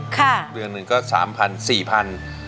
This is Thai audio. เดือนหนึ่งก็๓๐๐๔๐๐บาท